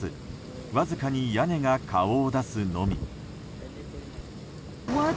わずかに屋根が顔を出すのみ。